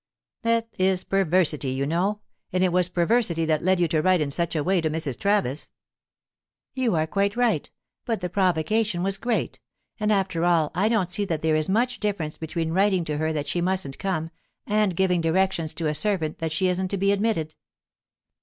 "That is perversity, you know. And it was perversity that led you to write in such a way to Mrs. Travis." "You are quite right. But the provocation was great. And after all I don't see that there is much difference between writing to her that she mustn't come, and giving directions to a servant that she isn't to be admitted."